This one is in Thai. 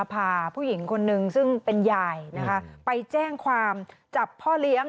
พาผู้หญิงคนนึงซึ่งเป็นยายนะคะไปแจ้งความจับพ่อเลี้ยง